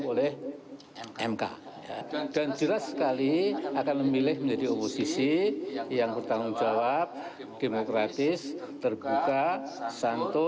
oleh mk dan jelas sekali akan memilih menjadi oposisi yang bertanggung jawab demokratis terbuka santo